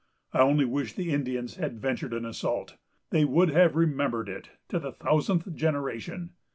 I only wish the Indians had ventured an assault. They would have remembered it to the thousandth generation!...